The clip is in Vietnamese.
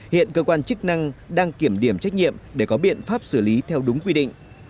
hiện cơ quan chức năng đang kiểm điểm trách nhiệm để có biện pháp xử lý theo đúng quy định